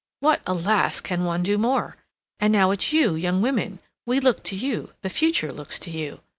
What, alas! can one do more? And now it's you young women—we look to you—the future looks to you.